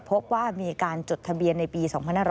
พบว่ามีการจดทะเบียนในปี๒๕๕๙